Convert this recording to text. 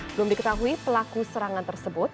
belum diketahui pelaku serangan tersebut